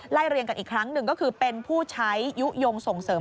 เรียงกันอีกครั้งหนึ่งก็คือเป็นผู้ใช้ยุโยงส่งเสริม